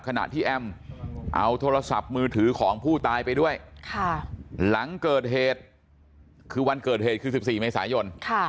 ขณะที่แอมเอาโทรศัพท์มือถือของผู้ตายไปด้วยหลังเกิดเหตุคือวันเกิดเหตุคือ๑๔เมษายน